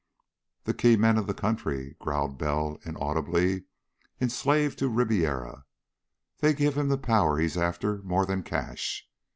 "The key men of the country," growled Bell inaudibly, "enslaved to Ribiera. They give him the power he's after more than cash.